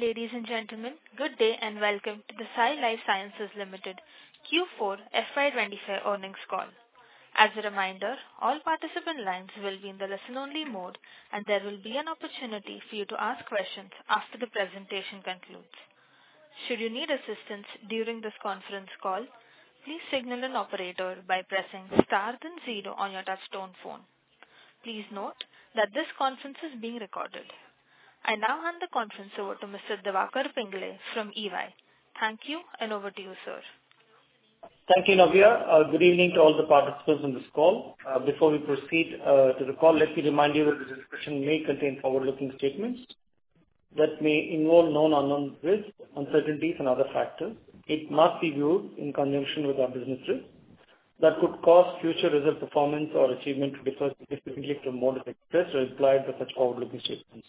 Ladies and gentlemen, good day and welcome to the Sai Life Sciences Limited Q4 fiscal 2025 earnings call. As a reminder, all participant lines will be in the listen-only mode, and there will be an opportunity for you to ask questions after the presentation concludes. Should you need assistance during this conference call, please signal an operator by pressing star then zero on your touchtone phone. Please note that this conference is being recorded. I now hand the conference over to Mr. Diwakar Pingle from EY. Thank you, and over to you, sir. Thank you, Navya. Good evening to all the participants in this call. Before we proceed to the call, let me remind you that the discussion may contain forward-looking statements that may involve known unknown risks, uncertainties, and other factors. It must be viewed in conjunction with our business risks that could cause future result performance or achievement to differ significantly from what is expressed or implied by such forward-looking statements.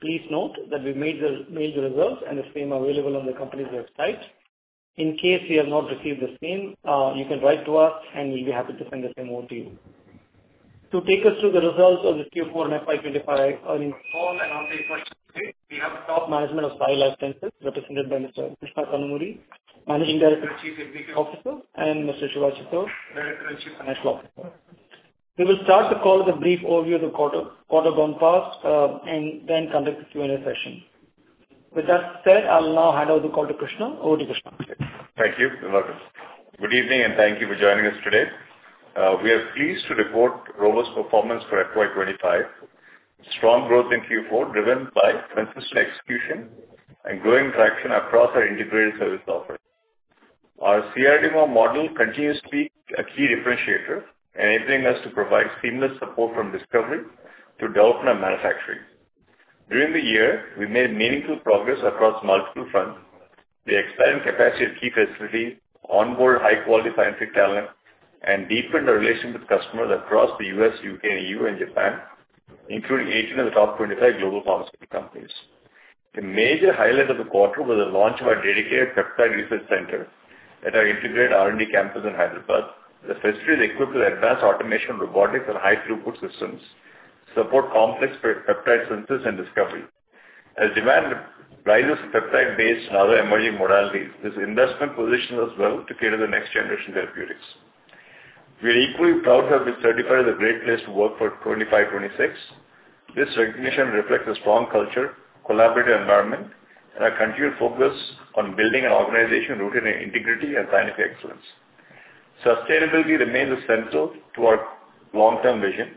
Please note that we've made the results, and the same are available on the company's website. In case you have not received the same, you can write to us, and we'll be happy to send the same over to you. To take us through the results of the Q4 and fiscal 2025 earnings call and one-pager summary, we have top management of Sai Life Sciences represented by Mr. Krishna Kanumuri, Managing Director and Chief Executive Officer, and Mr. Sivarama Chittur, Director and Chief Financial Officer. We will start the call with a brief overview of the quarter gone past and then conduct the Q&A session. With that said, I'll now hand over the call to Krishna. Over to Krishna. Thank you. You're welcome. Good evening, and thank you for joining us today. We are pleased to report robust performance for fiscal 2025, strong growth in Q4 driven by consistent execution and growing traction across our integrated service offering. Our CRDMO model continues to be a key differentiator, enabling us to provide seamless support from discovery to development and manufacturing. During the year, we made meaningful progress across multiple fronts. We expanded capacity at key facilities, onboarded high-quality scientific talent, and deepened our relationship with customers across the U.S., U.K., and E.U., and Japan, including 18 of the top 25 global pharmaceutical companies. The major highlight of the quarter was the launch of our dedicated peptide research center at our integrated R&D campus in Hyderabad. The facility is equipped with advanced automation robotics and high-throughput systems to support complex peptide synthesis and discovery. As demand rises for peptide-based and other emerging modalities, this investment positions us well to cater to the next generation therapeutics. We are equally proud to have been certified as a Great Place to Work for 2025–26. This recognition reflects a strong culture, collaborative environment, and our continued focus on building an organization rooted in integrity and scientific excellence. Sustainability remains essential to our long-term vision.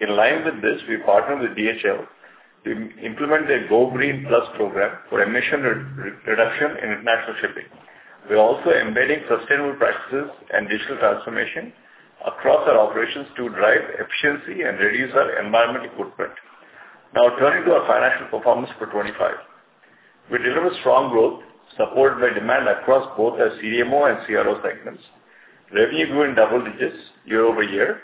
In line with this, we partner with DHL to implement their GoGreen Plus program for emission reduction and international shipping. We're also embedding sustainable practices and digital transformation across our operations to drive efficiency and reduce our environmental footprint. Now, turning to our financial performance for fiscal 2025, we deliver strong growth supported by demand across both our CDMO and CRO segments. Revenue grew in double digits year over year,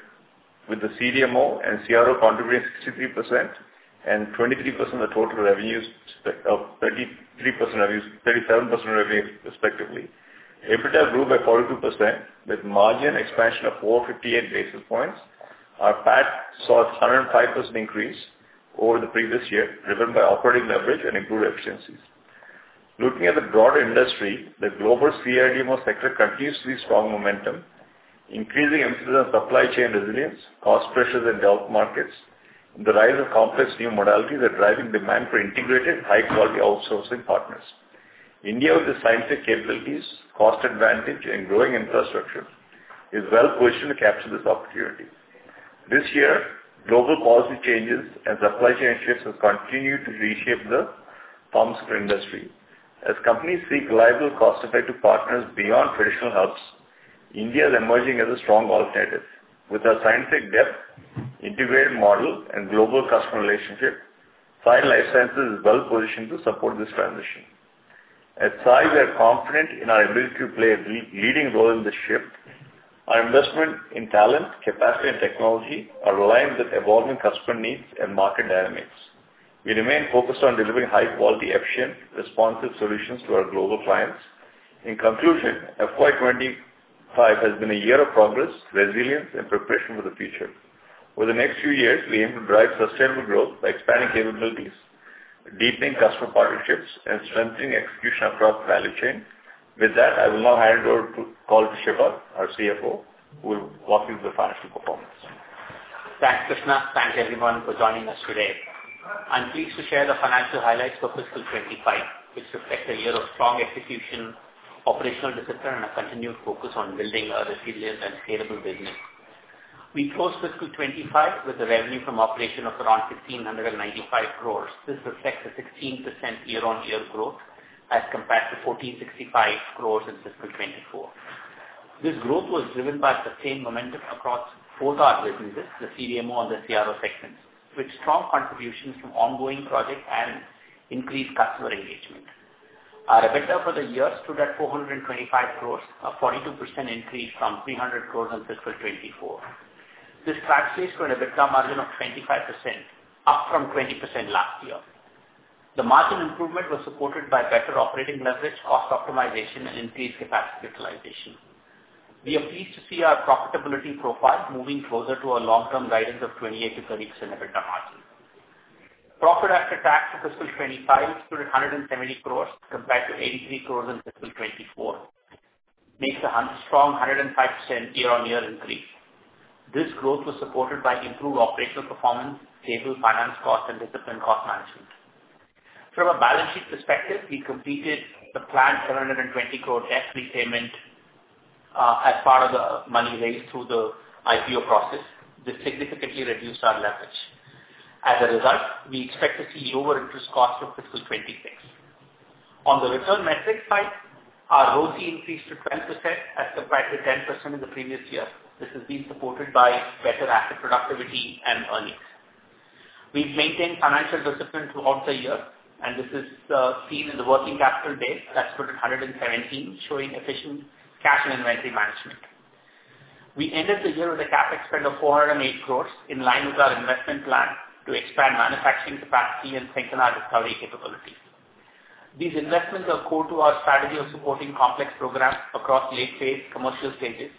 with the CDMO and CRO contributing 63% and 23% of the total revenues, 33% of revenues, 37% of revenues, respectively. EBITDA grew by 42%, with margin expansion of 458 bps. Our PAT saw a 105% increase over the previous year, driven by operating leverage and improved efficiencies. Looking at the broader industry, the global CRDMO sector continues to see strong momentum, increasing emphasis on supply chain resilience, cost pressures, and developed markets, and the rise of complex new modalities that are driving demand for integrated, high-quality outsourcing partners. India, with its scientific capabilities, cost advantage, and growing infrastructure, is well positioned to capture this opportunity. This year, global policy changes and supply chain shifts have continued to reshape the pharmaceutical industry. As companies seek reliable cost-effective partners beyond traditional hubs, India is emerging as a strong alternative. With our scientific depth, integrated model, and global customer relationship, Sai Life Sciences is well positioned to support this transition. At Sai, we are confident in our ability to play a leading role in this shift. Our investment in talent, capacity, and technology are aligned with evolving customer needs and market dynamics. We remain focused on delivering high-quality, efficient, responsive solutions to our global clients. In conclusion, fiscal 2025 has been a year of progress, resilience, and preparation for the future. Over the next few years, we aim to drive sustainable growth by expanding capabilities, deepening customer partnerships, and strengthening execution across the value chain. With that, I will now hand over the call to Shiva, our CFO, who will walk you through the financial performance. Thanks, Krishna. Thank you, everyone, for joining us today. I'm pleased to share the financial highlights for fiscal 2025, which reflect a year of strong execution, operational discipline, and a continued focus on building a resilient and scalable business. We closed fiscal 2025 with a revenue from operations of around 1,595 crores. This reflects a 16% year-on-year growth as compared to 1,465 crores in fiscal 2024. This growth was driven by sustained momentum across both our businesses, the CDMO and the CRO segments, with strong contributions from ongoing projects and increased customer engagement. Our EBITDA for the year stood at 425 crores, a 42% increase from 300 crores in fiscal 2024. This translates to an EBITDA margin of 25%, up from 20% last year. The margin improvement was supported by better operating leverage, cost optimization, and increased capacity utilization. We are pleased to see our profitability profile moving closer to our long-term guidance of 28%-30% EBITDA margin. Profit after tax for fiscal 25 stood at 170 crores compared to 83 crores in fiscal 24. This makes a strong 105% year-on-year increase. This growth was supported by improved operational performance, stable finance costs, and disciplined cost management. From a balance sheet perspective, we completed the planned 720 crore debt repayment as part of the money raised through the IPO process. This significantly reduced our leverage. As a result, we expect to see lower interest costs for fiscal 26. On the return metric side, our ROCE increased to 12% as compared to 10% in the previous year. This has been supported by better asset productivity and earnings. We've maintained financial discipline throughout the year, and this is seen in the working capital days that stood at 117, showing efficient cash and inventory management. We ended the year with a CapEx of 408 crores, in line with our investment plan to expand manufacturing capacity and strengthen our discovery capabilities. These investments are core to our strategy of supporting complex programs across late-phase commercial stages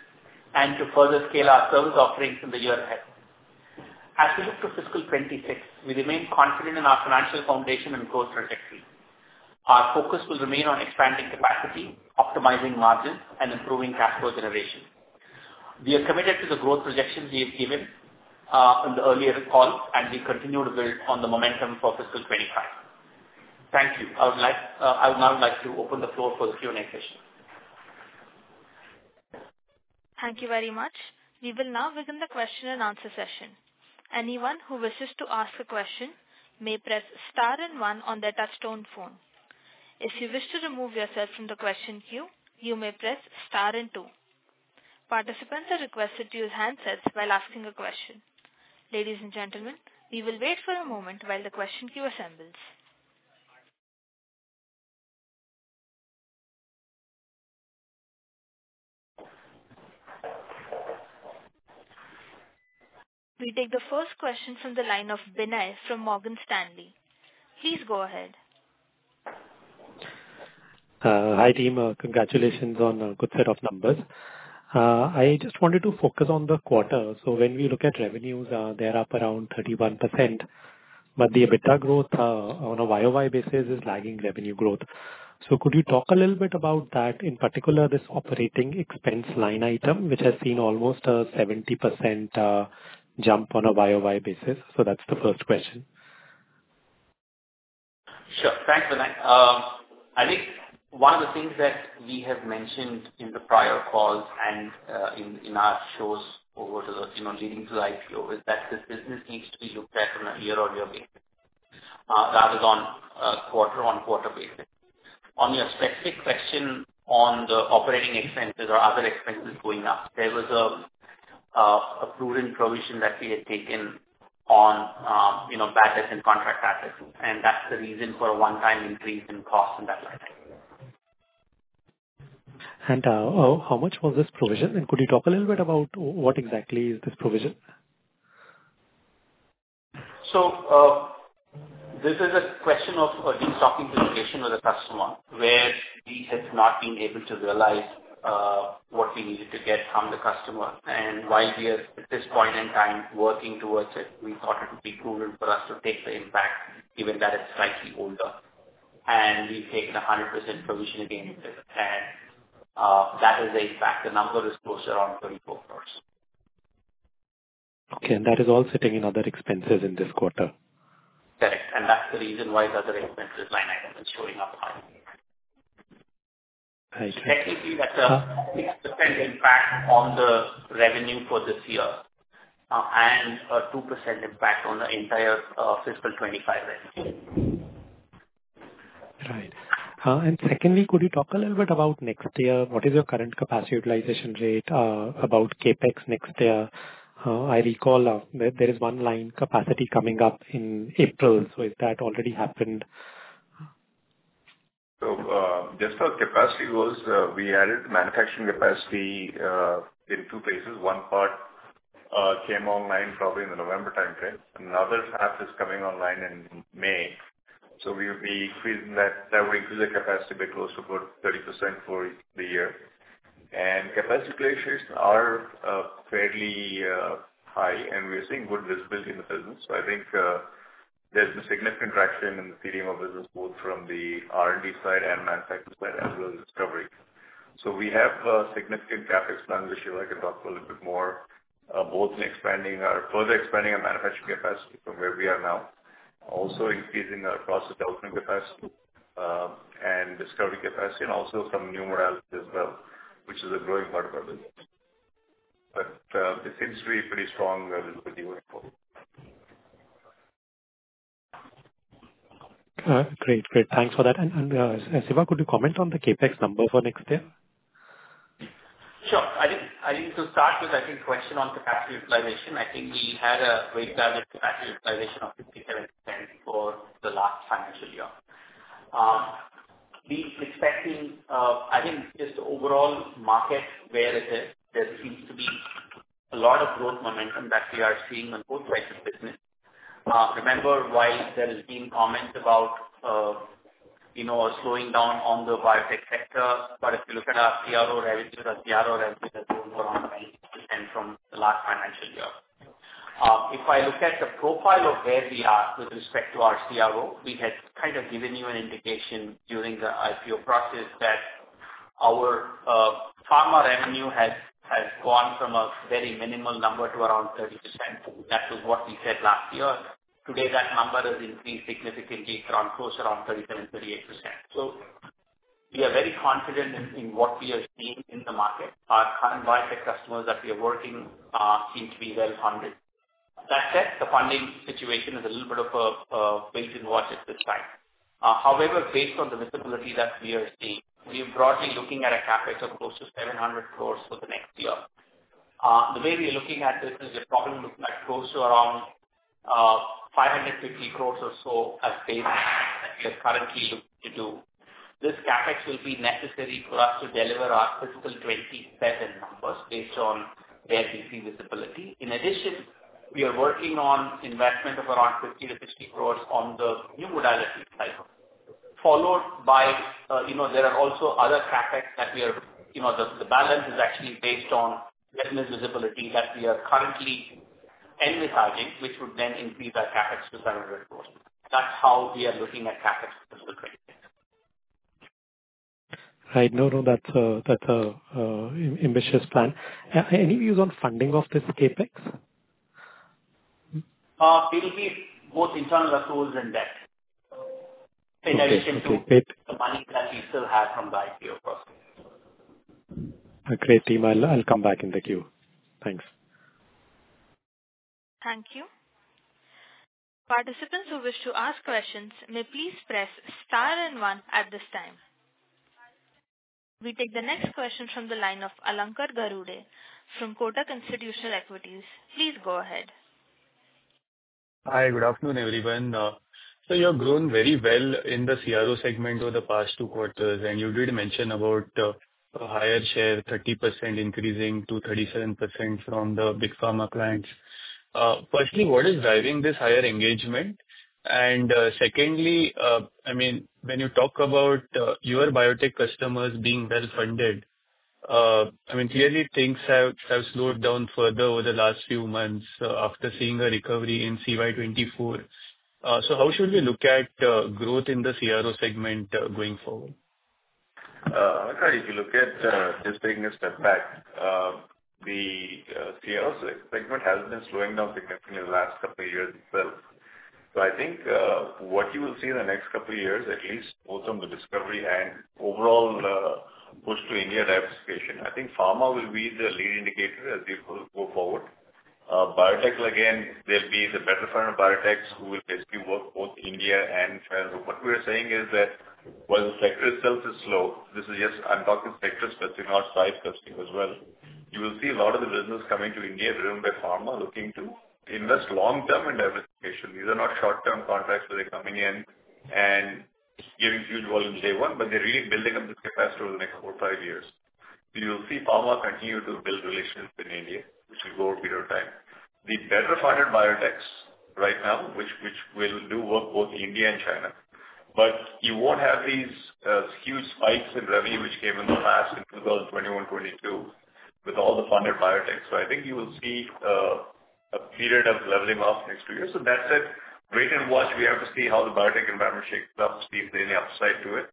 and to further scale our service offerings in the year ahead. As we look to fiscal 26, we remain confident in our financial foundation and growth trajectory. Our focus will remain on expanding capacity, optimizing margins, and improving cash flow generation. We are committed to the growth projections we have given in the earlier call, and we continue to build on the momentum for fiscal 25. Thank you. I would now like to open the floor for the Q&A session. Thank you very much. We will now begin the question-and-answer session. Anyone who wishes to ask a question may press star and one on their touchtone phone. If you wish to remove yourself from the question queue, you may press star and two. Participants are requested to use handsets while asking a question. Ladies and gentlemen, we will wait for a moment while the question queue assembles. We take the first question from the line of Binay from Morgan Stanley. Please go ahead. Hi team. Congratulations on a good set of numbers. I just wanted to focus on the quarter. So when we look at revenues, they're up around 31%, but the EBITDA growth on a YOY basis is lagging revenue growth. So could you talk a little bit about that, in particular this operating expense line item, which has seen almost a 70% jump on a YOY basis? So that's the first question. Sure. Thanks, Binay. I think one of the things that we have mentioned in the prior calls and in our roadshows over the lead-up to the IPO is that this business needs to be looked at on a year-on-year basis, rather than on a quarter-on-quarter basis. On your specific question on the operating expenses or other expenses going up, there was a prudent provision that we had taken on bad debts and contract assets, and that's the reason for a one-time increase in costs and that kind of thing. How much was this provision? Could you talk a little bit about what exactly is this provision? So this is a question of at least talking to the partneror the customer, where we have not been able to realize what we needed to get from the customer. And while we are, at this point in time, working towards it, we thought it would be prudent for us to take the impact, given that it's slightly older. And we've taken a 100% provision against it, and that is the impact. The number is closer on 34 crores. Okay. And that is all sitting in other expenses in this quarter? Correct, and that's the reason why the other expenses line item is showing up high. Thank you. Technically, that's a 6% impact on the revenue for this year and a 2% impact on the entire fiscal 2025 revenue. Right. And secondly, could you talk a little bit about next year? What is your current capacity utilization rate about CapEx next year? I recall there is one line capacity coming up in April. So if that already happened? So just for capacity goals, we added manufacturing capacity in two phases. One part came online probably in the November timeframe. Another half is coming online in May. So that would increase the capacity by close to about 30% for the year. And capacity creations are fairly high, and we're seeing good visibility in the business. So I think there's been significant traction in the CDMO business, both from the R&D side and manufacturing side, as well as discovery. So we have significant CapEx plans, which Shiva can talk a little bit more, both in further expanding our manufacturing capacity from where we are now, also increasing our process development capacity and discovery capacity, and also some new modalities as well, which is a growing part of our business. But it seems to be pretty strong with the info. All right. Great. Great. Thanks for that. And Shiva, could you comment on the CapEx number for next year? Sure. I think to start with, I think question on capacity utilization. I think we had a great capacity utilization of 57% for the last financial year. I think just overall market, where it is, there seems to be a lot of growth momentum that we are seeing on both sides of the business. Remember, while there have been comments about slowing down on the biotech sector, but if you look at our CRO revenues, our CRO revenues have grown around 96% from the last financial year. If I look at the profile of where we are with respect to our CRO, we had kind of given you an indication during the IPO process that our pharma revenue has gone from a very minimal number to around 30%. That was what we said last year. Today, that number has increased significantly from close around 37-38%. We are very confident in what we are seeing in the market. Our current biotech customers that we are working seem to be well funded. That said, the funding situation is a little bit of a wait-and-watch at this time. However, based on the visibility that we are seeing, we are broadly looking at a CapEx of close to 700 crores for the next year. The way we are looking at this is we're probably looking at close to around 550 crore or so as basically we are currently looking to do. This CapEx will be necessary for us to deliver our fiscal 2027 numbers based on where we see visibility. In addition, we are working on investment of around 50-60 crores on the new modality cycle, followed by there are also other CapEx that we are the balance is actually based on business visibility that we are currently advertising, which would then increase our CapEx to 700 crores. That's how we are looking at CapEx for fiscal 2026. Right. No, no. That's an ambitious plan. Any views on funding of this CapEx? It will be both internal accruals and debt, in addition to the money that we still have from the IPO process. Great, team. I'll come back in the queue. Thanks. Thank you. Participants who wish to ask questions may please press star and one at this time. We take the next question from the line of Alankar Garude from Kotak Institutional Equities. Please go ahead. Hi. Good afternoon, everyone. So you have grown very well in the CRO segment over the past two quarters, and you did mention about a higher share, 30% increasing to 37% from the big pharma clients. Firstly, what is driving this higher engagement? And secondly, I mean, when you talk about your biotech customers being well funded, I mean, clearly things have slowed down further over the last few months after seeing a recovery in CY24. So how should we look at growth in the CRO segment going forward? If you look at just taking a step back, the CRO segment has been slowing down significantly in the last couple of years itself. So I think what you will see in the next couple of years, at least both on the discovery and overall push to India diversification, I think pharma will be the lead indicator as we go forward. Biotech, again, there'll be the better-funded biotechs who will basically work both India and China. What we are saying is that while the sector itself is slow, this is just I'm talking sector specific, not Sai specific as well. You will see a lot of the business coming to India driven by pharma looking to invest long-term in diversification. These are not short-term contracts where they're coming in and giving huge volume day one, but they're really building up this capacity over the next four, five years. You will see pharma continue to build relationships in India, which will go over a period of time. The better funded biotechs right now, which will do work both India and China, but you won't have these huge spikes in revenue which came in the past in 2021, 2022 with all the funded biotechs. So I think you will see a period of leveling off next two years. So that said, wait and watch. We have to see how the biotech environment shakes up, see if there's any upside to it.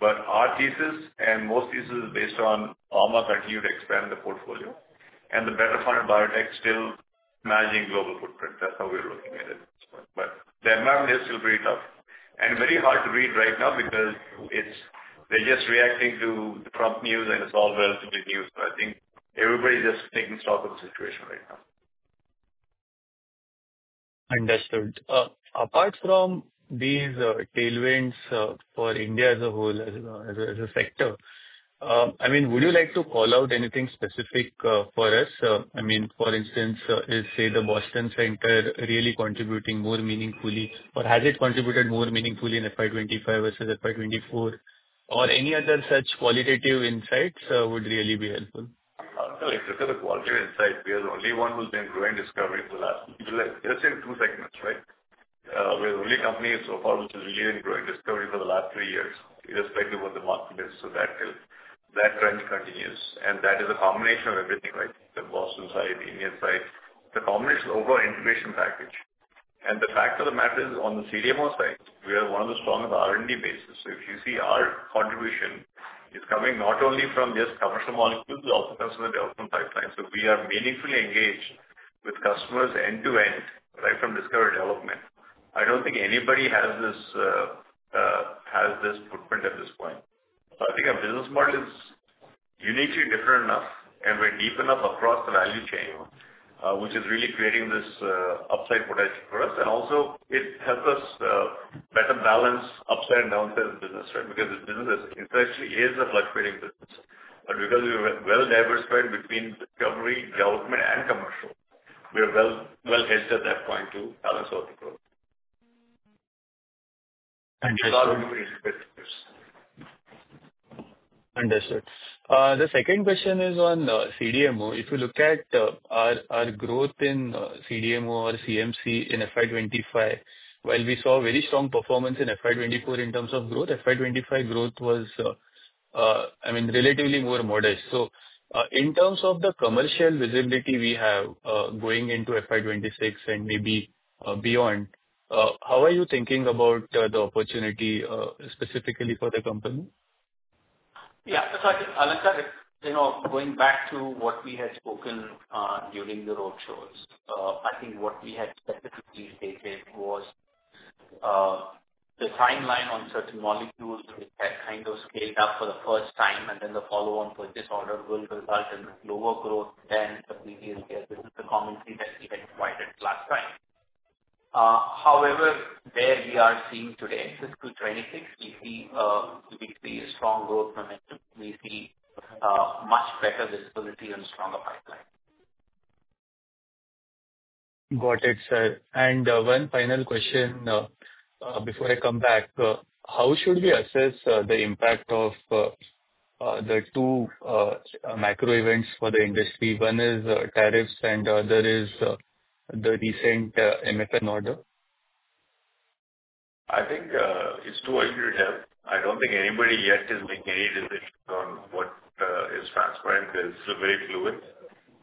But our thesis, and most thesis is based on pharma continuing to expand the portfolio and the better funded biotechs still managing global footprint. That's how we're looking at it at this point. But the environment is still pretty tough and very hard to read right now because they're just reacting to the Trump news, and it's all relatively new. So I think everybody's just taking stock of the situation right now. Understood. Apart from these tailwinds for India as a whole, as a sector, I mean, would you like to call out anything specific for us? I mean, for instance, say the Boston Center really contributing more meaningfully, or has it contributed more meaningfully in fiscal 2025 versus FY24? Or any other such qualitative insights would really be helpful. No, if you look at the qualitative insight, we are the only one who's been growing discovery for the last, let's say in two segments, right? We're the only company so far which is really growing discovery for the last three years irrespective of the market is. So that trend continues. And that is a combination of everything, right? The Boston side, the Indian side, the combination of overall integration package. And the fact of the matter is on the CDMO side, we are one of the strongest R&D bases. So if you see our contribution, it's coming not only from just commercial molecules, it also comes from the development pipeline. So we are meaningfully engaged with customers end to end, right from discovery to development. I don't think anybody has this footprint at this point. So I think our business model is uniquely different enough and we're deep enough across the value chain, which is really creating this upside potential for us. And also, it helps us better balance upside and downside of the business, right? Because this business is actually a fluctuating business. But because we're well diversified between discovery, development, and commercial, we're well hedged at that point to balance out the growth. Understood. The second question is on CDMO. If you look at our growth in CDMO or CMC in fiscal 2025, while we saw very strong performance in FY24 in terms of growth, fiscal 2025 growth was, I mean, relatively more modest. So in terms of the commercial visibility we have going into FY26 and maybe beyond, how are you thinking about the opportunity specifically for the company? Yeah. So, I can, Alankar, going back to what we had spoken during the roadshows, I think what we had specifically stated was the timeline on certain molecules that kind of scaled up for the first time, and then the follow-on purchase order will result in lower growth than previous years. This is the commentary that we had provided last time. However, where we are seeing today, fiscal 2026, we see a strong growth momentum. We see much better visibility and stronger pipeline. Got it, sir. And one final question before I come back. How should we assess the impact of the two macro events for the industry? One is tariffs, and the other is the recent MFN order? I think it's too early to tell. I don't think anybody yet is making any decisions on what is transparent because it's very fluid,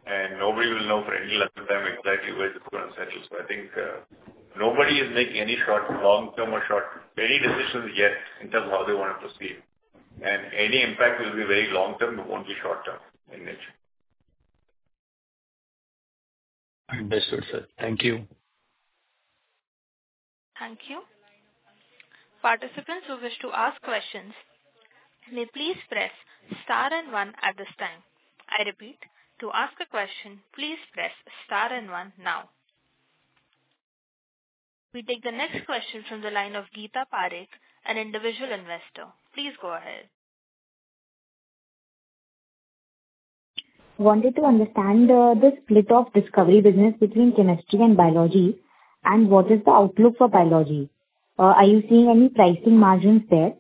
and nobody will know for any length of time exactly where this is going to settle, so I think nobody is making any short-term or short-any decisions yet in terms of how they want to pROCEed, and any impact will be very long-term, but won't be short-term in nature. Understood, sir. Thank you. Thank you. Participants who wish to ask questions, may please press star and one at this time. I repeat, to ask a question, please press star and one now. We take the next question from the line of Geetha Parekh, an individual investor. Please go ahead. Wanted to understand the split of discovery business between chemistry and biology, and what is the outlook for biology? Are you seeing any pricing margins there?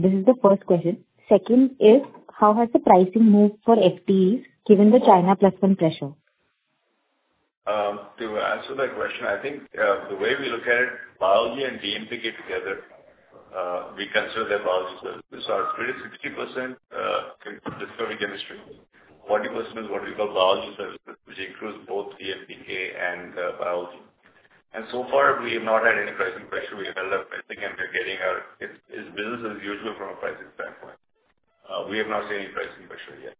This is the first question. Second is, how has the pricing moved for FTEs given the China plus one pressure? To answer that question, I think the way we look at it, biology and DMPK together, we consider their biology services. So our split is 60% discovery chemistry, 40% is what we call biology services, which includes both DMPK and biology. And so far, we have not had any pricing pressure. We have held our pricing, and we're getting our business as usual from a pricing standpoint. We have not seen any pricing pressure yet.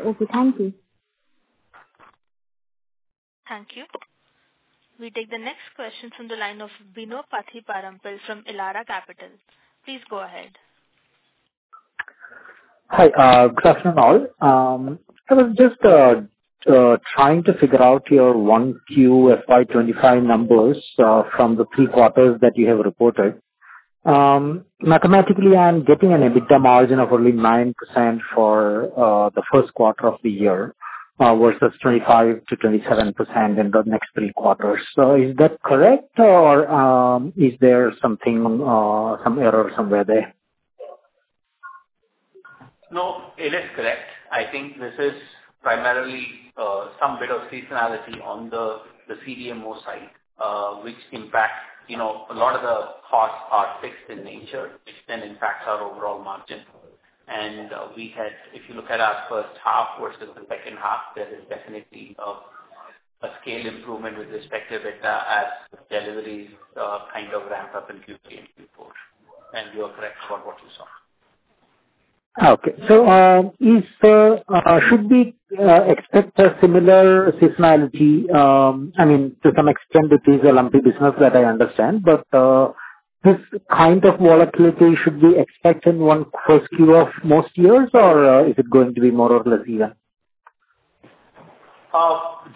Okay. Thank you. Thank you. We take the next question from the line of Bino Pathiparampil from Elara Capital. Please go ahead. Hi. Good afternoon, all. I was just trying to figure out your 1Q fiscal 2025 numbers from the three quarters that you have reported. Mathematically, I'm getting an EBITDA margin of only 9% for the first quarter of the year versus 25%-27% in the next three quarters. So is that correct, or is there some error somewhere there? No, it is correct. I think this is primarily some bit of seasonality on the CDMO side, which impacts a lot of the costs are fixed in nature, which then impacts our overall margin. And if you look at our first half versus the second half, there is definitely a scale improvement with respect to EBITDA as deliveries kind of ramp up in Q3 and Q4. And you are correct about what you saw. Okay. So should we expect a similar seasonality? I mean, to some extent, it is a lumpy business that I understand, but this kind of volatility should be expected in Q1 of most years, or is it going to be more or less even?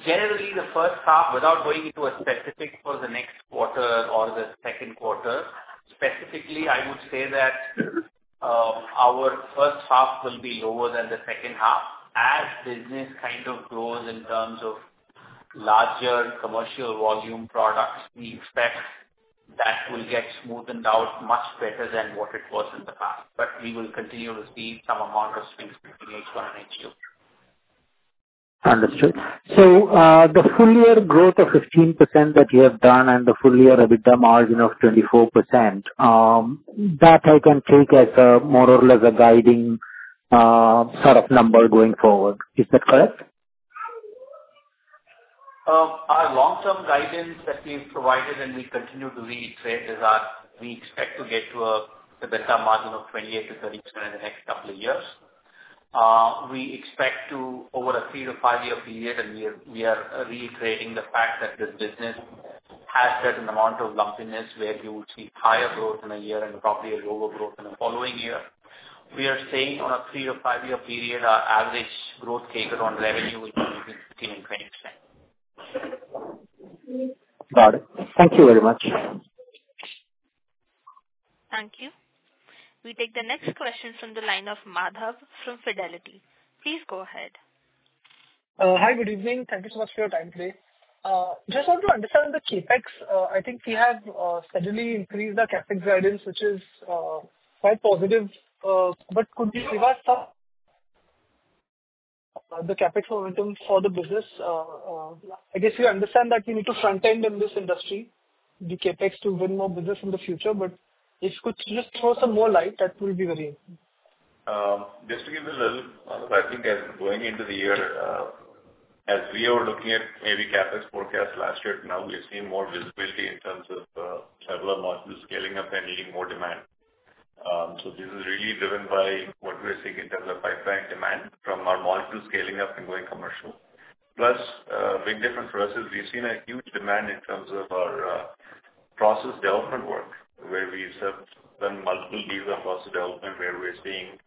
Generally, the first half, without going into a specific for the next quarter or the second quarter, specifically, I would say that our first half will be lower than the second half. As business kind of grows in terms of larger commercial volume products, we expect that will get smoothened out much better than what it was in the past. But we will continue to see some amount of swings between H1 and H2. Understood. So the full year growth of 15% that you have done and the full year EBITDA margin of 24%, that I can take as more or less a guiding sort of number going forward. Is that correct? Our long-term guidance that we've provided, and we continue to reiterate, is that we expect to get to a better margin of 28%-30% in the next couple of years. We expect to, over a 3-5-year period, and we are reiterating the fact that this business has a certain amount of lumpiness where you will see higher growth in a year and probably a lower growth in the following year. We are saying on a 3-5-year period, our average growth CAGR on revenue will be between 15%-20%. Got it. Thank you very much. Thank you. We take the next question from the line of Madhav from Fidelity. Please go ahead. Hi. Good evening. Thank you so much for your time today. Just want to understand the CapEx. I think we have steadily increased the CapEx guidance, which is quite positive, but could we revert some of the CapEx momentum for the business? I guess you understand that we need to front-end in this industry, the CapEx, to win more business in the future, but if you could just throw some more light, that will be very helpful. Just to give a little honest, I think as we're going into the year, as we are looking at maybe CapEx forecast last year, now we've seen more visibility in terms of several modules scaling up and needing more demand. So this is really driven by what we're seeing in terms of pipeline demand from our modules scaling up and going commercial. Plus, a big difference for us is we've seen a huge demand in terms of our process development work, where we've done multiple leads across the development, where we're seeing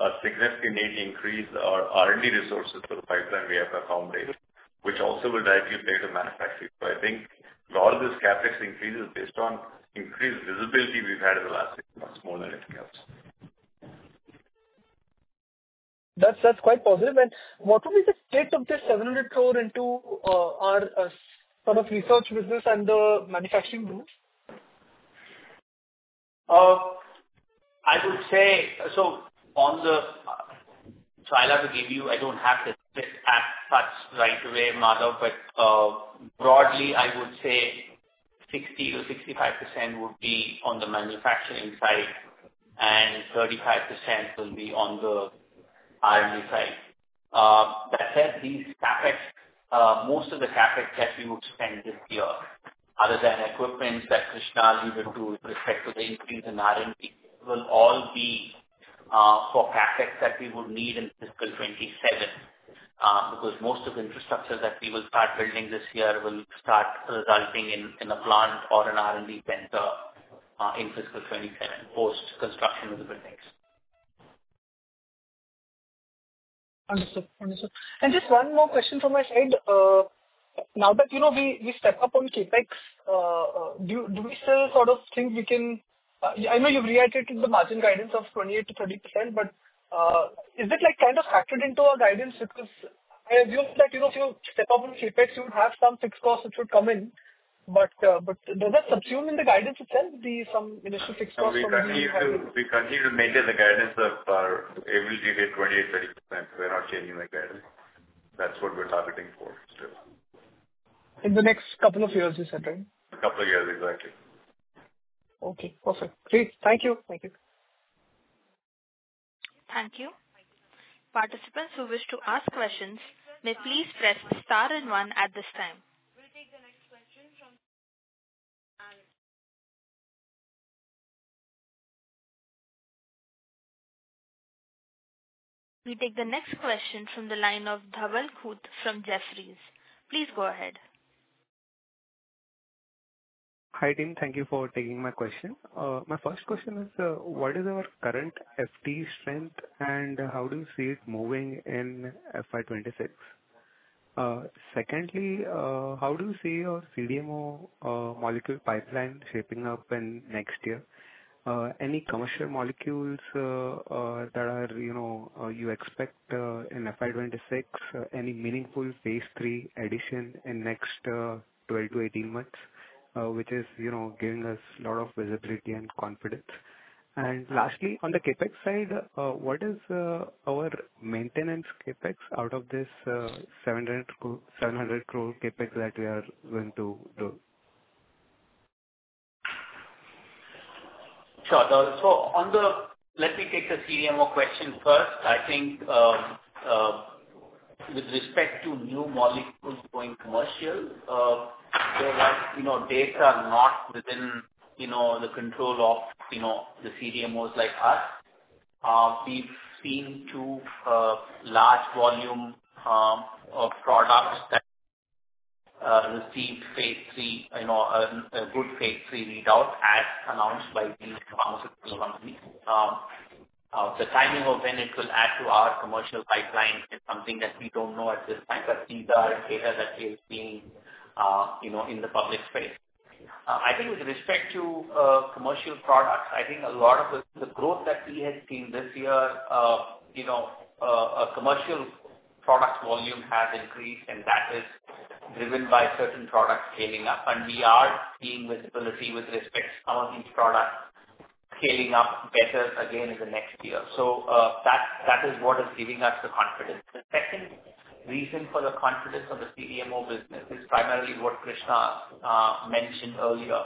a significant increase in our R&D resources for the pipeline we have accommodated, which also will directly play to manufacturing. So I think a lot of this CapEx increase is based on increased visibility we've had in the last six months, more than it helps. That's quite positive. And what would be the status of the 700 crores into our sort of research business and the manufacturing both? I'll have to give you I don't have the split as such right away, Madhav, but broadly, I would say 60%-65% would be on the manufacturing side, and 35% will be on the R&D side. That said, most of the CapEx that we would spend this year, other than equipment that Krishna alluded to with respect to the increase in R&D, will all be for CapEx that we would need in fiscal 2027 because most of the infrastructure that we will start building this year will start resulting in a plant or an R&D center in fiscal 2027 post-construction of the buildings. Understood. And just one more question from my side. Now that we step up on CapEx, do we still sort of think we can? I know you've reiterated the margin guidance of 28%-30%, but is it kind of factored into our guidance? Because I assume that if you step up on CapEx, you would have some fixed costs that should come in. But does that subsume in the guidance itself the some initial fixed costs from the CapEx? We continue to maintain the guidance of our ability to hit 28%-30%. We're not changing the guidance. That's what we're targeting for still. In the next couple of years, you said, right? A couple of years, exactly. Okay. Perfect. Great. Thank you. Thank you. Thank you. Participants who wish to ask questions, may please press star and one at this time. We take the next question from the line of Dhaval Shah from Jefferies. Please go ahead. Hi team. Thank you for taking my question. My first question is, what is our current FTE strength, and how do you see it moving in FY26? Secondly, how do you see our CDMO molecule pipeline shaping up in next year? Any commercial molecules that you expect in FY26, any meaningful phase three addition in next 12-18 months, which is giving us a lot of visibility and confidence? And lastly, on the CapEx side, what is our maintenance CapEx out of this 700 crores CapEx that we are going to do? Sure. So let me take the CDMO question first. I think with respect to new molecules going commercial, there was data not within the control of the CDMOs like us. We've seen two large volume products that received phase three, a good phase three readout, as announced by these pharmaceutical companies. The timing of when it will add to our commercial pipeline is something that we don't know at this time, but these are data that we have seen in the public space. I think with respect to commercial products, I think a lot of the growth that we have seen this year, commercial product volume has increased, and that is driven by certain products scaling up. And we are seeing visibility with respect to some of these products scaling up better again in the next year. So that is what is giving us the confidence. The second reason for the confidence of the CDMO business is primarily what Krishna mentioned earlier.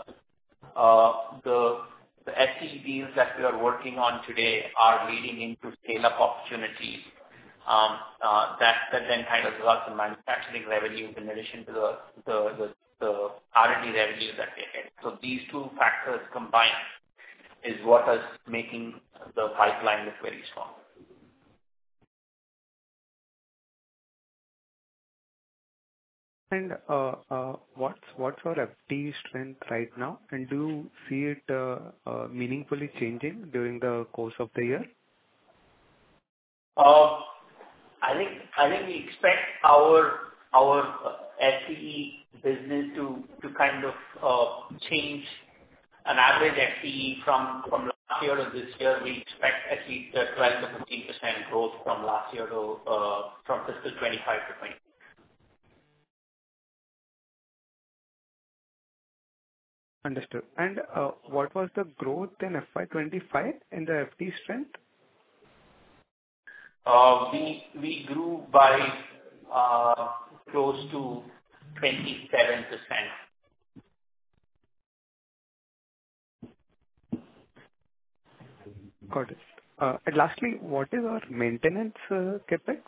The FTE deals that we are working on today are leading into scale-up opportunities that then kind of result in manufacturing revenues in addition to the R&D revenues that they get. So these two factors combined is what is making the pipeline look very strong. What's our FTE strength right now? Do you see it meaningfully changing during the course of the year? I think we expect our FTE business to kind of change. An average FTE from last year to this year, we expect at least 12%-15% growth from last year to fiscal 2025 to 2026. Understood. And what was the growth in fiscal 2025 in the FTE strength? We grew by close to 27%. Got it. Lastly, what is our maintenance CapEx?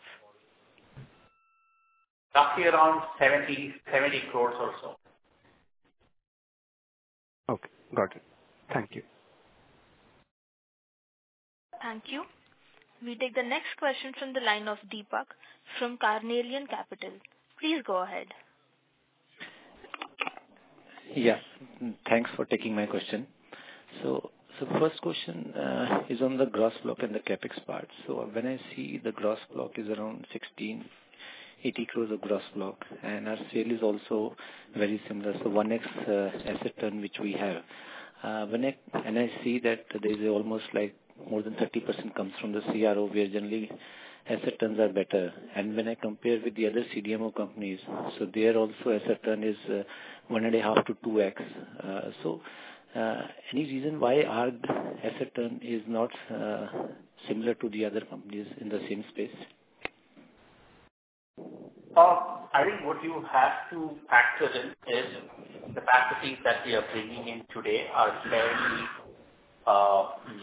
Roughly around 70 crores or so. Okay. Got it. Thank you. Thank you. We take the next question from the line of Deepak from Carnelian Capital. Please go ahead. Yes. Thanks for taking my question. So the first question is on the gross block and the CapEx part. So when I see the gross block is around 1,680 crores of gross block, and our sale is also very similar. So 1x asset turnover, which we have. And I see that there is almost more than 30% comes from the CRO, where generally asset turnovers are better. And when I compare with the other CDMO companies, so their also asset turnover is 1.5-2x. So any reason why our asset turnover is not similar to the other companies in the same space? I think what you have to factor in is the facilities that we are bringing in today are fairly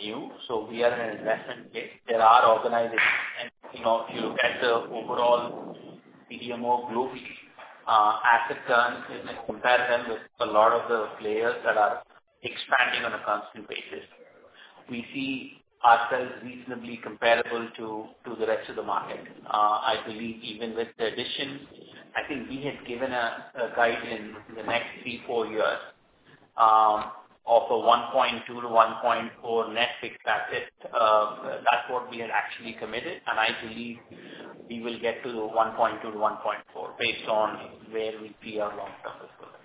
new, so we are in an investment phase. There are organizations, and if you look at the overall CDMO globally, asset turnover is in parallel with a lot of the players that are expanding on a constant basis. We see ourselves reasonably comparable to the rest of the market. I believe even with the addition, I think we had given a guide in the next three, four years of a 1.2-1.4 net fixed asset. That's what we had actually committed, and I believe we will get to 1.2-1.4 based on where we see our long-term fiscal plan.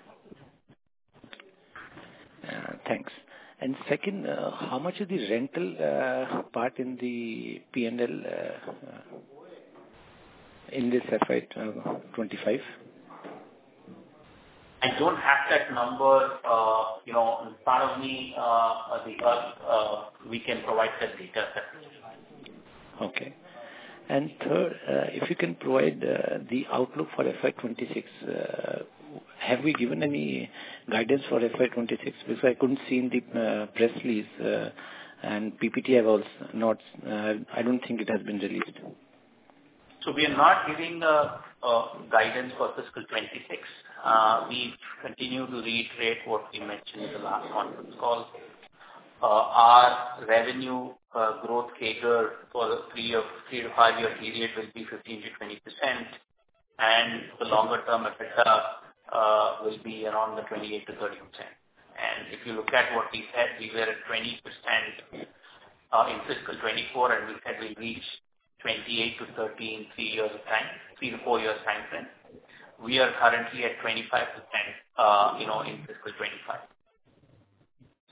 Thanks. And second, how much is the rental part in the P&L in this FY2025? I don't have that number in front of me. We can provide that data separately. Okay. And third, if you can provide the outlook for FY26, have we given any guidance for FY26? Because I couldn't see in the press release, and PPT has not. I don't think it has been released. We are not giving guidance for Fiscal 2026. We continue to reiterate what we mentioned in the last conference call. Our revenue growth cadence for the three- to five-year period will be 15%-20%, and the longer-term aspects will be around the 28%-30%. If you look at what we said, we were at 20% in Fiscal 2024, and we said we'll reach 28%-30% in three years' time, three- to four-years' time frame. We are currently at 25% in Fiscal 2025.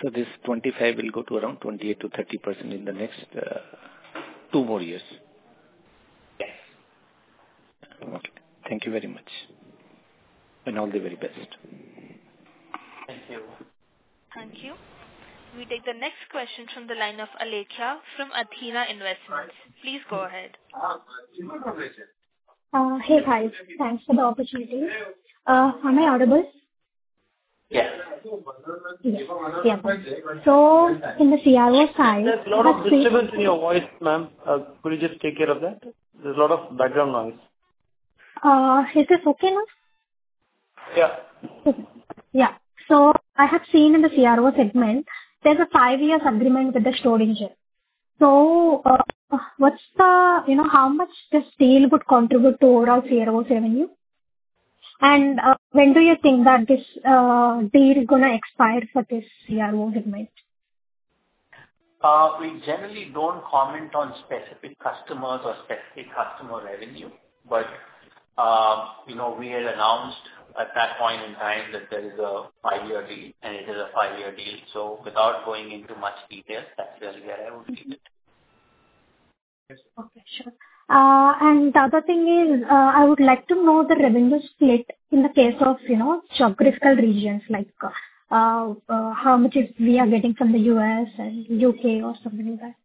So this 25 will go to around 28%-30% in the next two more years? Yes. Okay. Thank you very much, and all the very best. Thank you. Thank you. We take the next question from the line of Alethea from Athena Investments. Please go ahead. Hey, guys. Thanks for the opportunity. Am I audible? Yes. Yes. So in the CRO side. I'm not so much in your voice, ma'am. Could you just take care of that? There's a lot of background noise. Is this okay now? Yeah. Yeah. So I have seen in the CRO segment, there's a five-year agreement with the Schrödinger. So what's the how much does the deal contribute to overall CRO revenue? And when do you think that this deal is going to expire for this CRO segment? We generally don't comment on specific customers or specific customer revenue, but we had announced at that point in time that there is a five-year deal, and it is a five-year deal. So without going into much detail, that's really where I would leave it. Okay. Sure. And the other thing is I would like to know the revenue split in the case of geographical regions, like how much we are getting from the U.S. and U.K. or something like that?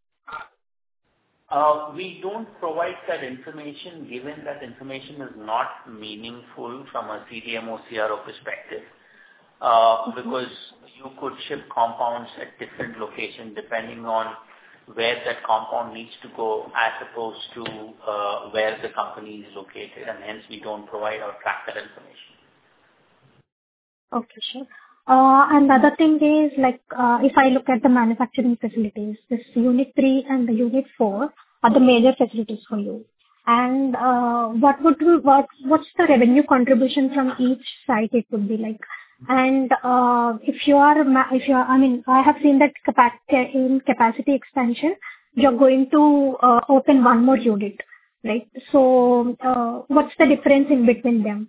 We don't provide that information, given that information is not meaningful from a CDMO CRO perspective, because you could ship compounds at different locations depending on where that compound needs to go as opposed to where the company is located, and hence we don't provide our tracker information. Okay. Sure. And the other thing is if I look at the manufacturing facilities, this Unit 3 and Unit 4 are the major facilities for you. And what's the revenue contribution from each site it would be like? And if you are I mean, I have seen that in capacity expansion, you're going to open one more unit, right? So what's the difference in between them?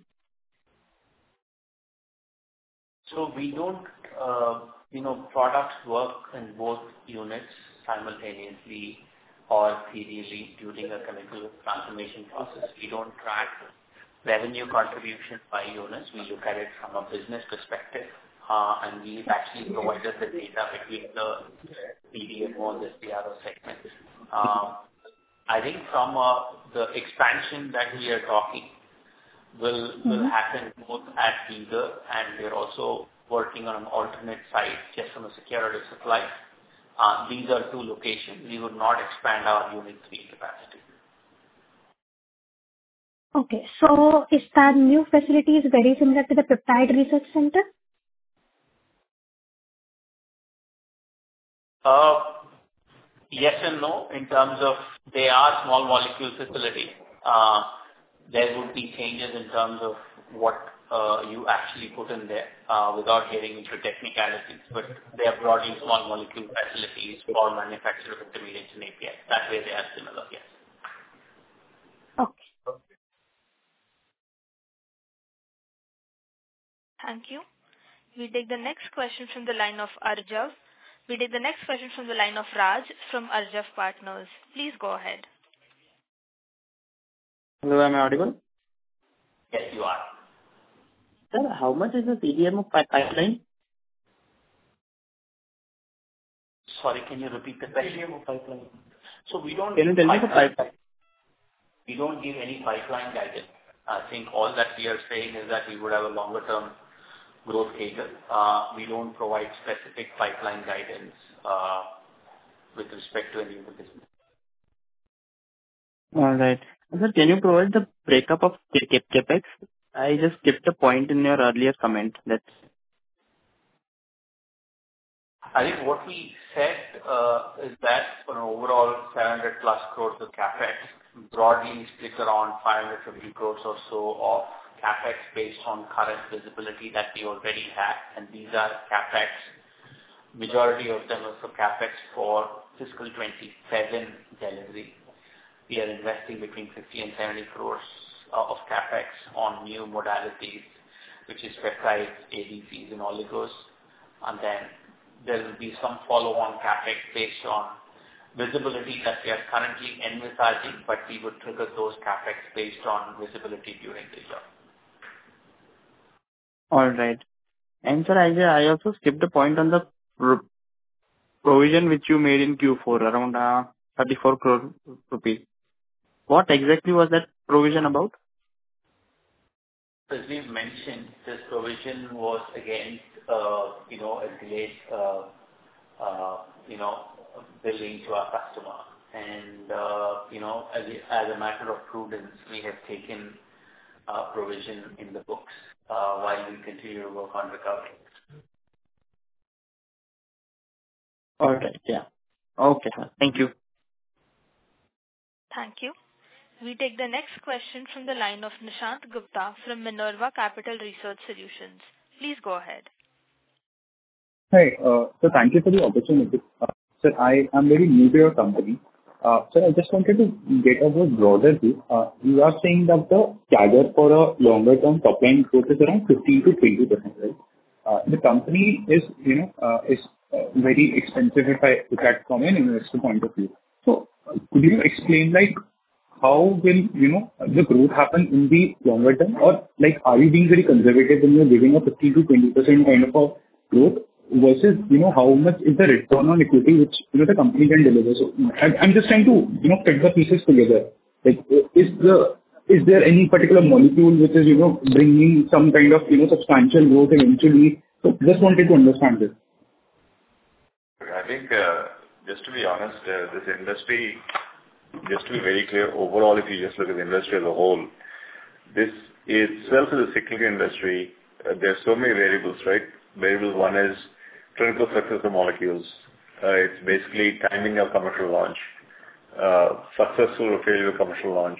So, we don't have products that work in both units simultaneously or serially during a chemical transformation process. We don't track revenue contribution by units. We look at it from a business perspective, and we've actually provided the data between the CDMO and the CRO segment. I think some of the expansion that we are talking will happen both at Bidar, and we're also working on an alternate site just for supply security. These are two locations. We would not expand our unit 3 capacity. Okay, so is that new facility very similar to the Peptide Research Center? Yes and no. In terms of they are a small molecule facility. There would be changes in terms of what you actually put in there without getting into technicalities, but they are broadly small molecule facilities for manufacturing intermediates and APIs. That way they are similar, yes. Okay. Thank you. We take the next question from the line of Arjav. We take the next question from the line of Raj from Arjav Partners. Please go ahead. Hello. Am I audible? Yes, you are. Sir, how much is the CDMO pipeline? Sorry, can you repeat the question? CDMO pipeline. So we don't. Can you tell me the pipeline? We don't give any pipeline guidance. I think all that we are saying is that we would have a longer-term growth catered. We don't provide specific pipeline guidance with respect to any of the business. All right. Sir, can you provide the breakup of the CapEx? I just skipped a point in your earlier comment. I think what we said is that an overall 700-plus crores of CapEx, broadly split around 550 crores or so of CapEx based on current visibility that we already have. And these are CapEx. Majority of them are for CapEx for fiscal 2027 delivery. We are investing between 50 and 70 crores of CapEx on new modalities, which is peptides, ADCs, and oligos. And then there will be some follow-on CapEx based on visibility that we are currently advertising, but we would trigger those CapEx based on visibility during the year. All right. And sir, I also skipped a point on the provision which you made in Q4, around 34 crores rupees. What exactly was that provision about? As we've mentioned, this provision was against a delayed billing to our customer, and as a matter of prudence, we have taken provision in the books while we continue to work on recovery. All right. Yeah. Okay. Thank you. Thank you. We take the next question from the line of Nishant Gupta from Minerva Capital Research Solutions. Please go ahead. Hi. So thank you for the opportunity. Sir, I am very new to your company. Sir, I just wanted to get a bit broader view. You are saying that the target for a longer-term top-line growth is around 15%-20%, right? The company is very expensive if I put that comment in an investor point of view. So could you explain how will the growth happen in the longer term? Or are you being very conservative when you're giving a 15%-20% kind of a growth versus how much is the return on equity which the company can deliver? So I'm just trying to put the pieces together. Is there any particular molecule which is bringing some kind of substantial growth eventually? So I just wanted to understand this. I think, just to be honest, this industry just to be very clear, overall, if you just look at the industry as a whole, this itself is a cyclical industry. There are so many variables, right? Variable one is clinical success of molecules. It's basically timing of commercial launch, successful or failure of commercial launch.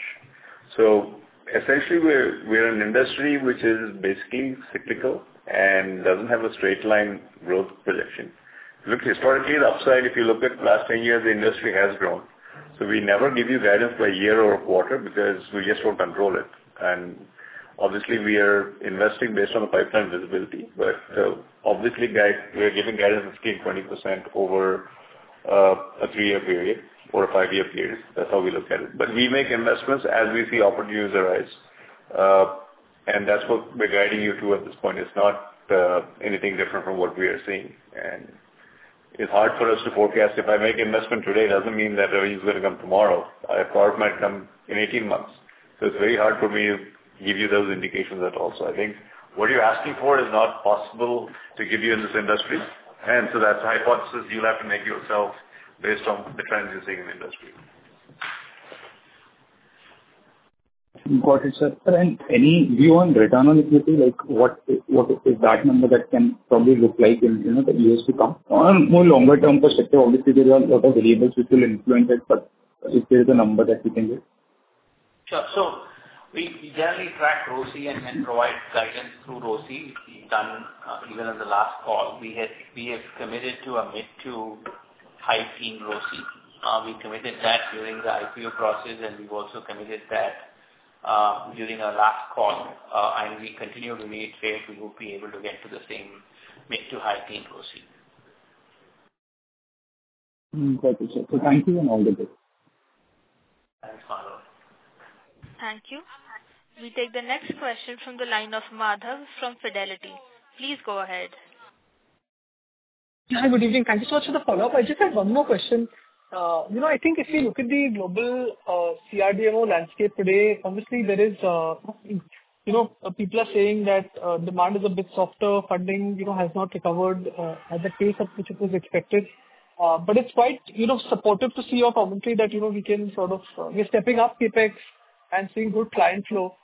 So essentially, we're an industry which is basically cyclical and doesn't have a straight-line growth projection. Look historically, the upside, if you look at the last 10 years, the industry has grown. So we never give you guidance by year or quarter because we just don't control it. And obviously, we are investing based on the pipeline visibility. But obviously, guys, we are giving guidance at 15%-20% over a three-year period or a five-year period. That's how we look at it. But we make investments as we see opportunities arise. And that's what we're guiding you to at this point. It's not anything different from what we are seeing. And it's hard for us to forecast. If I make an investment today, it doesn't mean that revenue is going to come tomorrow. A product might come in 18 months. So it's very hard for me to give you those indications at all. So I think what you're asking for is not possible to give you in this industry. And so that's a hypothesis you'll have to make yourself based on the trends you see in the industry. Got it, sir. And any view on return on equity? What is that number that can probably look like in the years to come? On a more longer-term perspective, obviously, there are a lot of variables which will influence it, but if there is a number that we can get. We generally track ROCE and then provide guidance through ROCE. We've done even in the last call. We have committed to a mid- to high-teens ROCE. We committed that during the IPO process, and we've also committed that during our last call. We continue to maintain faith we will be able to get to the same mid- to high-teens ROCE. Got it, sir. So thank you and all the best. Thanks, Madhav. Thank you. We take the next question from the line of Madhav from Fidelity. Please go ahead. Hi, good evening. Thank you so much for the follow-up. I just had one more question. I think if you look at the global CRDMO landscape today, obviously, there are people saying that demand is a bit softer, funding has not recovered as was expected. But it's quite supportive to see your commentary that we're stepping up CapEx and seeing good client flow.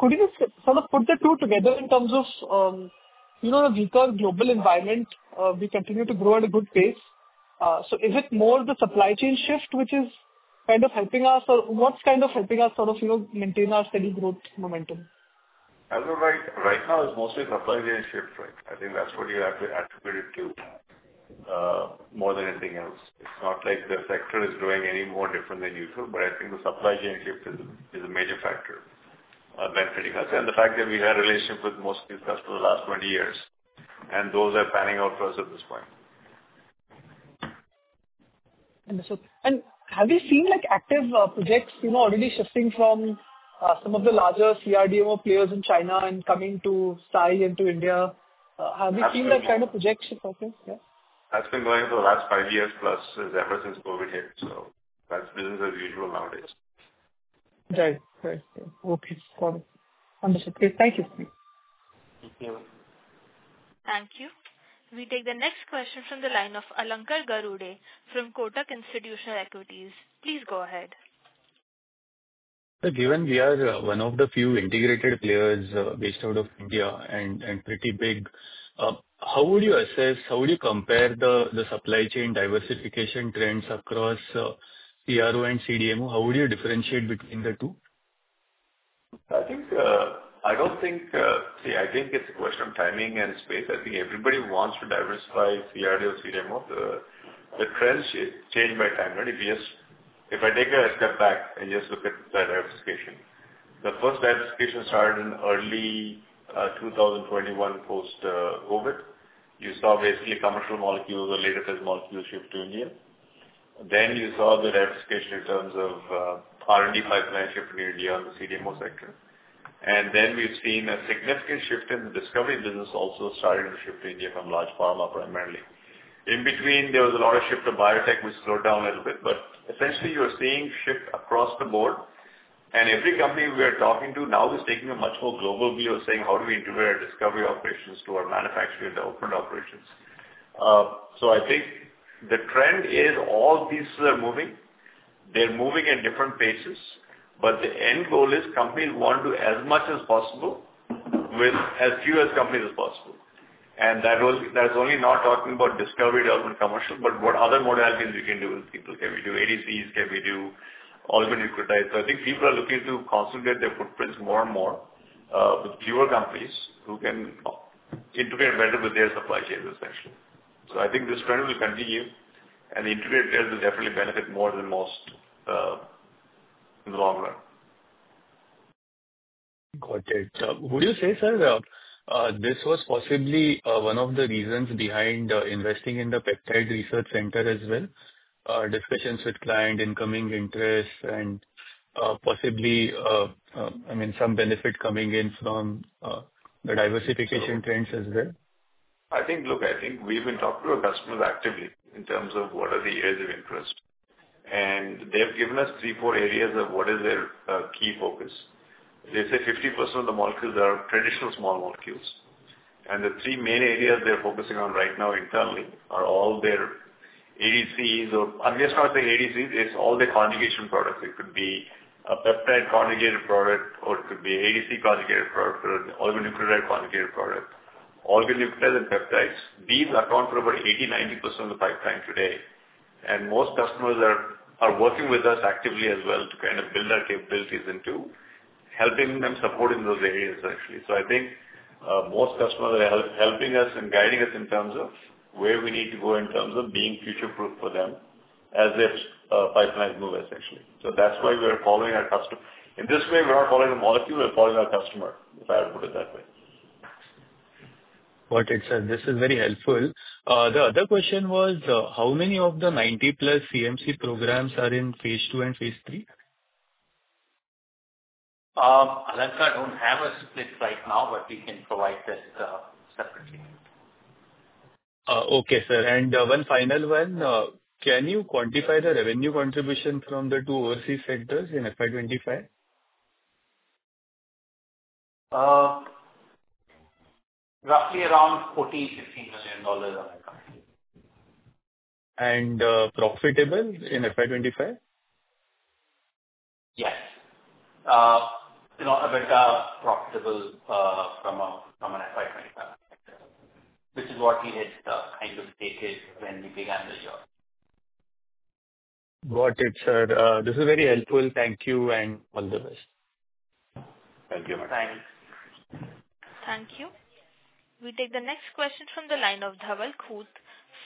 Could you sort of put the two together in terms of a weaker global environment? We continue to grow at a good pace. So is it more the supply chain shift which is kind of helping us, or what's kind of helping us sort of maintain our steady growth momentum? As of right now, it's mostly supply chain shift, right? I think that's what you have to attribute it to more than anything else. It's not like the sector is growing any more different than usual, but I think the supply chain shift is a major factor benefiting us. And the fact that we had a relationship with most of these customers the last 20 years, and those are panning out for us at this point. Have you seen active projects already shifting from some of the larger CRDMO players in China and coming to Sai and to India? Have you seen that kind of project shift happen? Yeah. That's been going on for the last five years plus ever since COVID hit. So that's business as usual nowadays. Right. Right. Okay. Got it. Understood. Thank you. Thank you. Thank you. We take the next question from the line of Alankar Garude from Kotak Institutional Equities. Please go ahead. Given we are one of the few integrated players based out of India and pretty big, how would you assess, how would you compare the supply chain diversification trends across CRO and CDMO? How would you differentiate between the two? I don't think, see. I think it's a question of timing and space. I think everybody wants to diversify CRDMO, CDMO. The trends change by time, right? If I take a step back and just look at that diversification, the first diversification started in early 2021 post-COVID. You saw basically commercial molecules or later phase molecules shift to India. Then you saw the diversification in terms of R&D pipeline shift in India on the CDMO sector. And then we've seen a significant shift in the discovery business also starting to shift to India from large pharma primarily. In between, there was a lot of shift to biotech, which slowed down a little bit. But essentially, you are seeing shift across the board. Every company we are talking to now is taking a much more global view of saying, "How do we integrate our discovery operations to our manufacturing and development operations?" So I think the trend is all these are moving. They're moving at different paces, but the end goal is companies want to, as much as possible, with as few companies as possible. And that's not only talking about discovery, development, commercial, but what other modalities we can do with people. Can we do ADCs? Can we do oligonucleotides? So I think people are looking to concentrate their footprints more and more with fewer companies who can integrate better with their supply chains, essentially. So I think this trend will continue, and the integrated players will definitely benefit more than most in the long run. Got it. Would you say, sir, this was possibly one of the reasons behind investing in the Peptide Research Center as well? Discussions with client, incoming interest, and possibly, I mean, some benefit coming in from the diversification trends as well? I think, look, I think we've been talking to our customers actively in terms of what are the areas of interest. And they've given us three, four areas of what is their key focus. They say 50% of the molecules are traditional small molecules. And the three main areas they're focusing on right now internally are all their ADCs or I'm just going to say ADCs. It's all the conjugation products. It could be a peptide conjugated product, or it could be ADC conjugated product, or an oligonucleotide conjugated product. Oligonucleotides and peptides, these account for about 80%-90% of the pipeline today. And most customers are working with us actively as well to kind of build our capabilities into helping them support in those areas, essentially. I think most customers are helping us and guiding us in terms of where we need to go in terms of being future-proof for them as their pipelines move, essentially. That's why we are following our customers. In this way, we're not following the molecule. We're following our customer, if I would put it that way. Got it, sir. This is very helpful. The other question was, how many of the 90-plus CMC programs are in phase two and phase three? Alankar, I don't have a split right now, but we can provide this separately. Okay, sir. And one final one. Can you quantify the revenue contribution from the two overseas centers in fiscal 2025? Roughly around $40-$50 million on fiscal 2025. Profitable in fiscal 2025? Yes. Net EBIT profitable from a fiscal 2025 perspective, which is what we had kind of stated when we began the year. Got it, sir. This is very helpful. Thank you and all the best. Thank you very much. Thanks. Thank you. We take the next question from the line of Dhaval Shah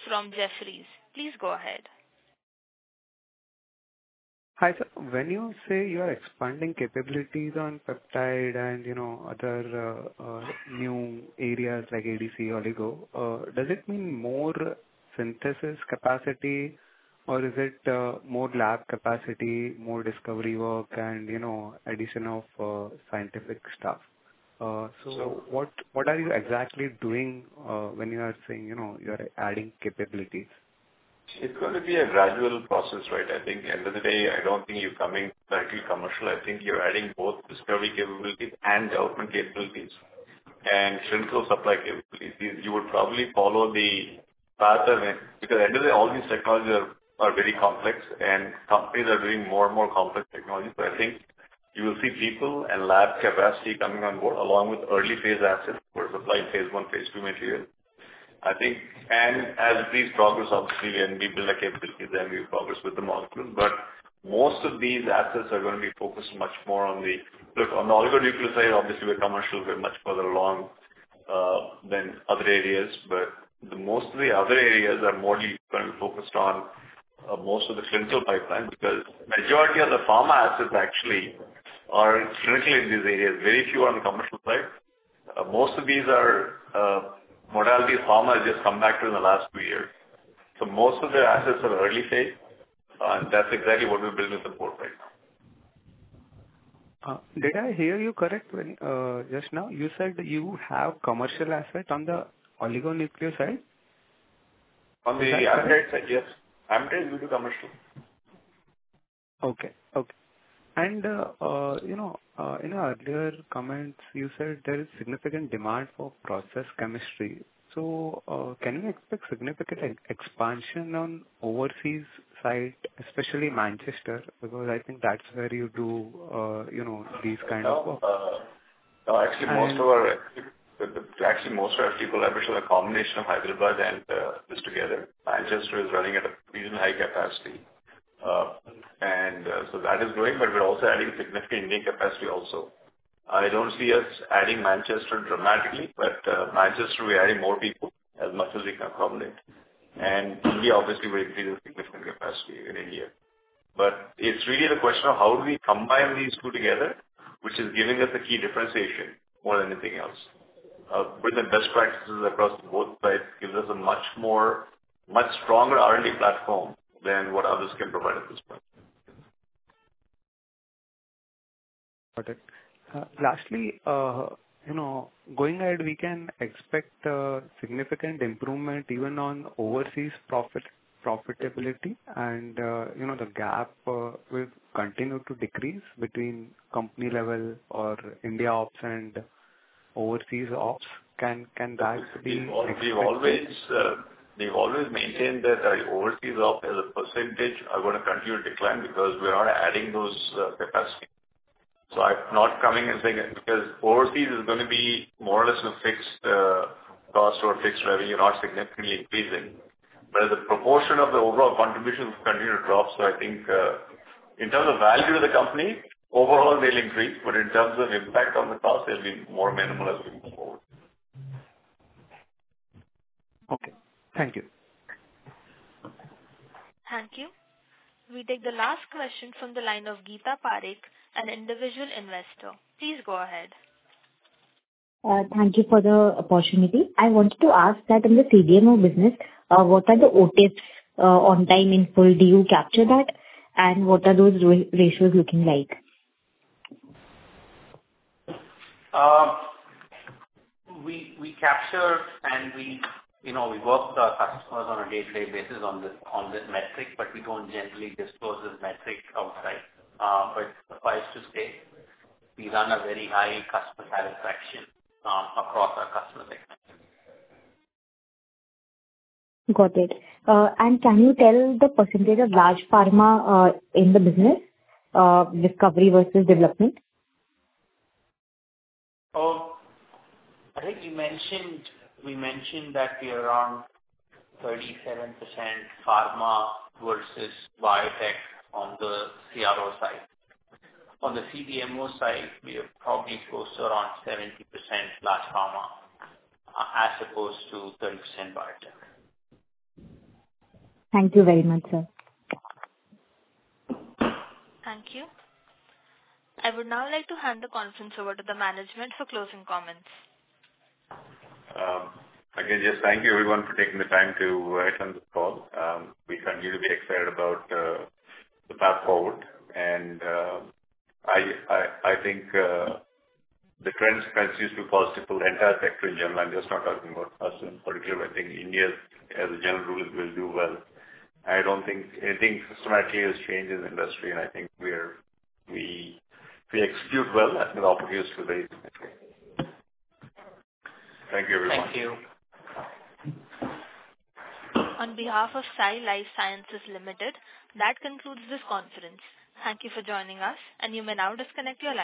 from Jefferies. Please go ahead. Hi, sir. When you say you are expanding capabilities on peptide and other new areas like ADC, oligo, does it mean more synthesis capacity, or is it more lab capacity, more discovery work, and addition of scientific staff? So what are you exactly doing when you are saying you are adding capabilities? It's going to be a gradual process, right? I think at the end of the day, I don't think you're coming directly commercial. I think you're adding both discovery capabilities and development capabilities and clinical supply capabilities. You would probably follow the path of it because at the end of the day, all these technologies are very complex, and companies are doing more and more complex technologies. So I think you will see people and lab capacity coming on board along with early phase assets for supplying phase one, phase two materials. And as these progress, obviously, when we build our capabilities, then we progress with the molecules. But most of these assets are going to be focused much more on the oligonucleotide. Obviously, with commercial, we're much further along than other areas. But most of the other areas are more focused on most of the clinical pipeline because the majority of the pharma assets actually are clinically in these areas. Very few are on the commercial side. Most of these are modalities pharma has just come back to in the last few years. So most of the assets are early phase. And that's exactly what we're building with the board right now. Did I hear you correctly just now? You said you have commercial asset on the oligonucleotide? On the amide chemistry, yes. Amide is due to commercial. And in your earlier comments, you said there is significant demand for process chemistry. So can you expect significant expansion on overseas site, especially Manchester, because I think that's where you do these kinds of work? No. Actually, most of our people are pushing a combination of Hyderabad and this together. Manchester is running at a reasonably high capacity, and so that is growing, but we're also adding significant Indian capacity also. I don't see us adding Manchester dramatically, but Manchester, we're adding more people as much as we can accommodate, and we obviously will increase the significant capacity in India. But it's really the question of how do we combine these two together, which is giving us a key differentiation more than anything else. With the best practices across both sides, it gives us a much stronger R&D platform than what others can provide at this point. Got it. Lastly, going ahead, we can expect significant improvement even on overseas profitability. And the gap will continue to decrease between company level or India ops and overseas ops. Can that be? We've always maintained that our overseas ops as a percentage are going to continue to decline because we're not adding those capacities. So I'm not coming and saying because overseas is going to be more or less a fixed cost or fixed revenue, not significantly increasing. But the proportion of the overall contribution will continue to drop. So I think in terms of value to the company, overall, they'll increase. But in terms of impact on the cost, they'll be more minimal as we move forward. Okay. Thank you. Thank you. We take the last question from the line of Geetha Parekh, an individual investor. Please go ahead. Thank you for the opportunity. I wanted to ask that in the CDMO business, what are the OTIF on time in full? Do you capture that? And what are those ratios looking like? We capture, and we work with our customers on a day-to-day basis on this metric, but we don't generally disclose this metric outside, but suffice to say, we run a very high customer satisfaction across our customer segment. Got it. And can you tell the percentage of large pharma in the business, discovery versus development? I think we mentioned that we are around 37% pharma versus biotech on the CRO side. On the CDMO side, we are probably close to around 70% large pharma as opposed to 30% biotech. Thank you very much, sir. Thank you. I would now like to hand the conference over to the management for closing comments. Again, just thank you everyone for taking the time to attend this call. We continue to be excited about the path forward, and I think the trends continue to be positive for the entire sector in general. I'm just not talking about us in particular. I think India, as a general rule, will do well. I don't think anything systematically has changed in the industry, and I think we execute well. I think the opportunity is too great. Thank you, everyone. Thank you. On behalf of Sai Life Sciences Limited, that concludes this conference. Thank you for joining us, and you may now disconnect your line.